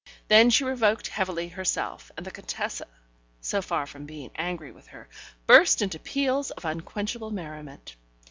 Then she revoked heavily herself, and the Contessa, so far from being angry with her, burst into peals of unquenchable merriment.